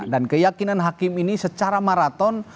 dan keyakinan hakim ini secara maraton